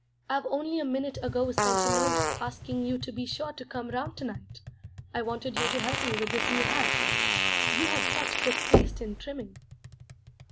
"I've only a minute ago sent a note, asking you to be sure to come round to night. I wanted you to help me with this new hat; you have such good taste in trimming."